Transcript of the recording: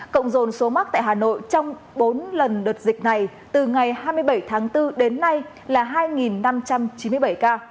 cộng dồn số mắc tại hà nội trong bốn lần đợt dịch này từ ngày hai mươi bảy tháng bốn đến nay là hai năm trăm chín mươi bảy ca